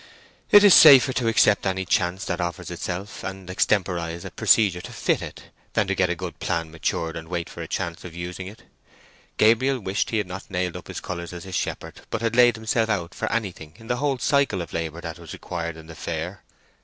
It is safer to accept any chance that offers itself, and extemporize a procedure to fit it, than to get a good plan matured, and wait for a chance of using it. Gabriel wished he had not nailed up his colours as a shepherd, but had laid himself out for anything in the whole cycle of labour that was required in the fair.